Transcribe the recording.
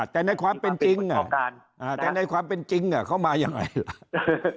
แต่ในความเป็นจริงแต่ในความเป็นจริงเขามายังไงล่ะ